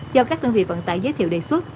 do các đơn vị vận tải giới thiệu đề xuất